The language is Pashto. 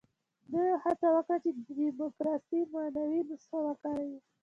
دوی هڅه وکړه چې د ډیموکراسۍ مصنوعي نسخه وکاروي.